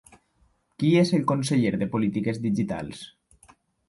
Qui és el conseller de Polítiques Digitals?